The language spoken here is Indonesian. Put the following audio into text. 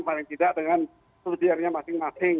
paling tidak dengan studiarnya masing masing